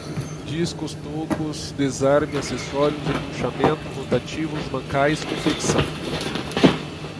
discos, tocos, desarme, acessórios, embuchamento, rotativos, mancais, confecção